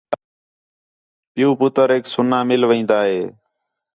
پِیؤ، پُتریک سُنّا مل وین٘دا ہِے